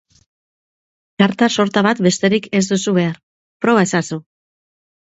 Karta sorta bat besterik ez duzu behar, proba ezazu!